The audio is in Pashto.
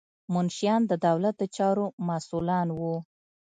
منشیان د دولت د چارو مسؤلان وو.